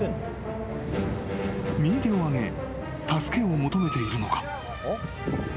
［右手を上げ助けを求めているのか？］